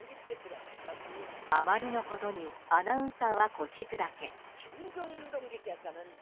あまりのことにアナウンサーは腰砕け。